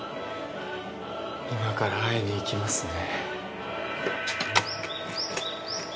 今から会いに行きますね。